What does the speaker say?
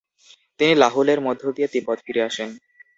তিনি লাহুলের মধ্য দিয়ে তিব্বত ফিরে আসেন।